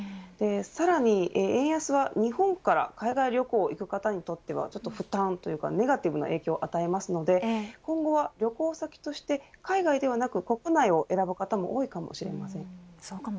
さらに円安は日本から海外旅行に行く方にとっては負担というか、ネガティブな影響を与えるので今後は旅行先として海外ではなく国内を選ぶ方も多いかもしれません。